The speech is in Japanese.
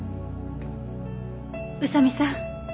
宇佐見さん